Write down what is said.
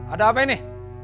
ada apa ini